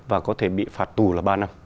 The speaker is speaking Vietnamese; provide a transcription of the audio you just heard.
và có thể bị phạt tù là ba năm